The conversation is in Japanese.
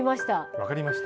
分かりました？